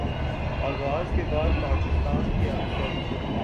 آغاز کے بعد پاکستان کے اکثر